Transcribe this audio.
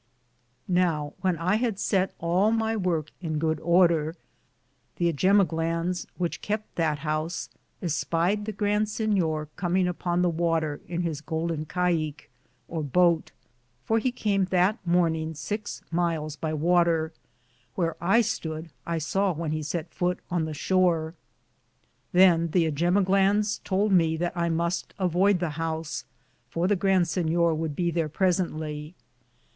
Now when I had sett all my worke in good order, the jemyglanes which kepte that house espied the Grand Sinyor cominge upon the water in his goulden Chieke (cai'que), or boate, for he cam that morning six myles by water; whear I stoode I saw when he sett foote on the shore. Than the jemyglanes tould me that I muste avoyd the house, for the Grand Sinyor would be thare presently.